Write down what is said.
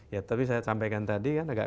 ya tapi saya sampaikan tadi kan agak